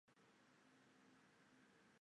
日本动画协会正式会员。